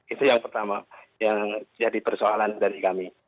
itu yang pertama yang jadi persoalan dari kami